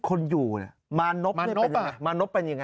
คนอยู่เนี่ยมานบเป็นยังไง